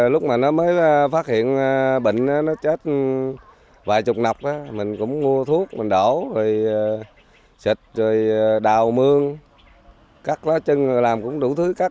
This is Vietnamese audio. lúc mà nó mới phát hiện bệnh nó chết vài chục năm mình cũng mua thuốc mình đổ rồi xịt rồi đào mương cắt lá chân rồi làm cũng đủ thứ